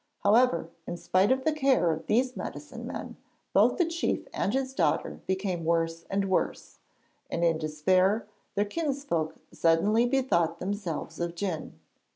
However, in spite of the care of these medicine men, both the chief and his daughter became worse and worse, and in despair, their kinsfolk suddenly bethought themselves of Djun.